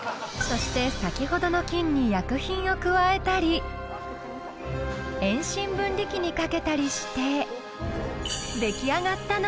そして先ほどの菌に薬品を加えたり遠心分離機にかけたりして。